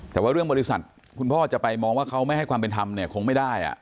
แต่ว่าเรื่องบริษัทคุณพ่อจะไปมองว่าเขาไม่ให้ความเป็นธรรมเนี่ยคงไม่ได้